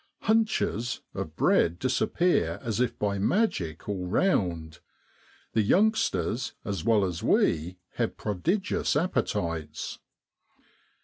l Hunches ' of bread disappear as if by magic all round the youngsters as well as we have prodigious appetites.